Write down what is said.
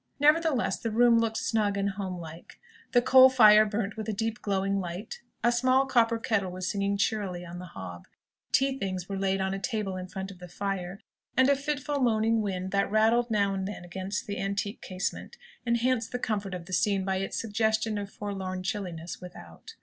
Nevertheless the room looked snug and homelike. The coal fire burnt with a deep glowing light; a small copper kettle was singing cheerily on the hob; tea things were laid on a table in front of the fire; and a fitful, moaning wind, that rattled now and then against the antique casement, enhanced the comfort of the scene by its suggestion of forlorn chilliness without.